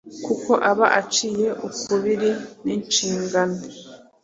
kuko aba aciye ukubiri n’inshingano